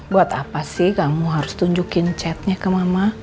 buat apa sih kamu harus tunjukin chatnya ke mama